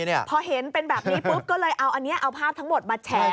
พอเห็นเป็นแบบนี้ปุ๊บก็เลยเอาอันนี้เอาภาพทั้งหมดมาแฉ